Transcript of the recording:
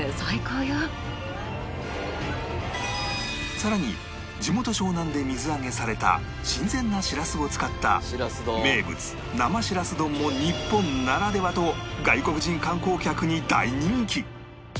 更に地元湘南で水揚げされた新鮮なしらすを使った名物生しらす丼も日本ならでは！と外国人観光客に大人気